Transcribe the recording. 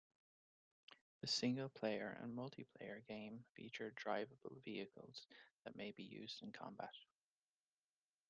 The single-player and multi-player game feature drivable vehicles that may be used in combat.